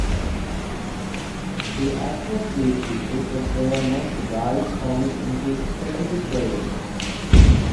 To access these features, the player must guide Sonic into specific buildings.